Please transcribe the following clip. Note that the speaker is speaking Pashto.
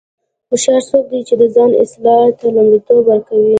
هوښیار څوک دی چې د ځان اصلاح ته لومړیتوب ورکوي.